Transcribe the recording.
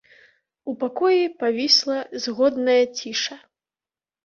У пакоі павісла згодная ціша.